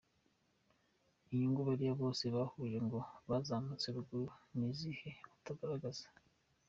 Inyungu bariya bose wahuje ngo bazamutse ruguru ni izihe ko utazigaragaza?